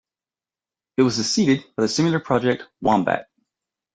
It was succeeded by the similar Project Wombat.